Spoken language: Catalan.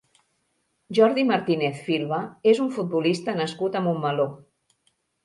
Jordi Martínez Filva és un futbolista nascut a Montmeló.